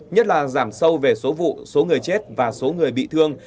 nhất là giảm sâu về số vụ số người chết và số người bị thương